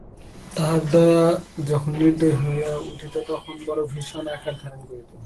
তাহার দয়া যখন নির্দয় হইয়া উঠিত তখন বড়ো ভীষণ আকার ধারণ করিত।